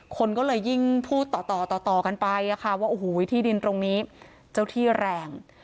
คนก็เลยยิ่งพูดต่อต่อกันไปว่าโอ้โหที่ดินตรงนี้เจ้าที่แรง